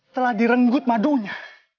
telah direnggut madunya